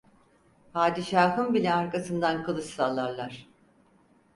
Padişahın bile arkasından kılıç sallarlar.